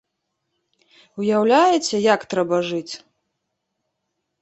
Уяўляеце, як трэба жыць?